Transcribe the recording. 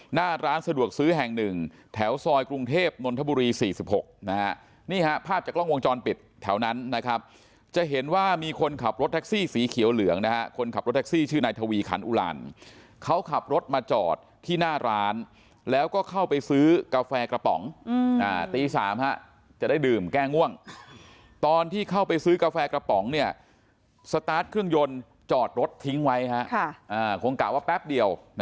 หน้าร้านสะดวกซื้อแห่ง๑แถวซอยกรุงเทพนนทบุรี๔๖นะฮะนี่ฮะภาพจากล้องวงจรปิดแถวนั้นนะครับจะเห็นว่ามีคนขับรถแท็กซี่สีเขียวเหลืองนะฮะคนขับรถแท็กซี่ชื่อนายทวีขันอุลานเขาขับรถมาจอดที่หน้าร้านแล้วก็เข้าไปซื้อกาแฟกระป๋องอ่าตี๓ฮะจะได้ดื่มแก้ง่วงตอนที่เข้าไปซื้อกาแฟกระป๋องเน